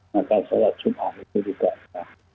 maka sholat jumat itu tidak